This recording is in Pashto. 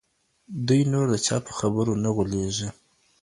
دوی نور د چا په خبرو نه غولیږي.